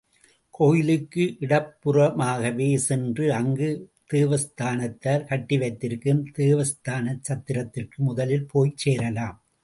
கோயிலுக்கு இடப்புறமாகவே சென்று, அங்கு தேவஸ்தானத்தார் கட்டி வைத்திருக்கும் தேவஸ்தானச் சத்திரத்திற்கு முதலில் போய்ச் சேரலாம்.